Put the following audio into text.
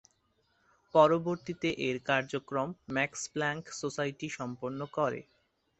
পরবর্তীতে এর কার্যক্রম ম্যাক্স প্লাংক সোসাইটি সম্পন্ন করে।